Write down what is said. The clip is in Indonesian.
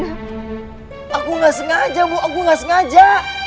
aku nggak sengaja bu aku gak sengaja